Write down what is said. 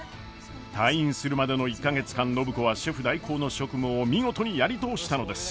退院するまでの１か月間暢子はシェフ代行の職務を見事にやり通したのです。